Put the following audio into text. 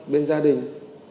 bên gia đình